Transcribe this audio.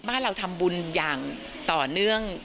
บ้านเราทำบุญอย่างต่อเนื่อง